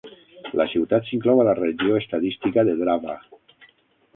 La ciutat s'inclou a la Regió Estadística de Drava.